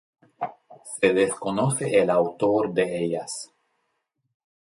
Se desconoce el autor de ellas.